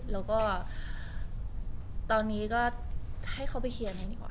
แล้วก็ตอนนี้ก็ให้เขาไปเคลียร์นั้นดีกว่า